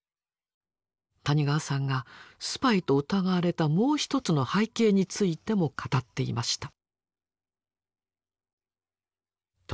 谷川さんがスパイと疑われたもう一つの背景についても語っていました。